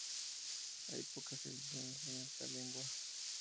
Hay pocas ediciones en esta lengua.